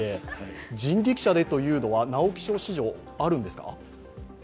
人力車でというのは直木賞史上あるんですか？